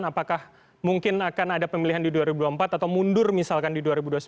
apakah mungkin akan ada pemilihan di dua ribu dua puluh empat atau mundur misalkan di dua ribu dua puluh